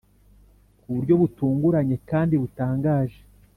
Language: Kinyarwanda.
kuburyo butunguranye kandi butangaje